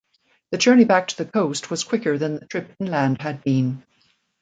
The journey back to the coast was quicker than the trip inland had been.